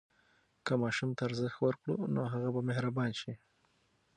که ماشوم ته ارزښت ورکړو، نو هغه به مهربان شي.